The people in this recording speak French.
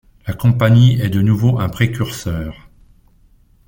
La compagnie est de nouveau un précurseur.